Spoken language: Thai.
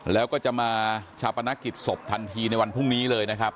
แล้วก็จะมาชาปนกิจศพทันทีในวันพรุ่งนี้เลยนะครับ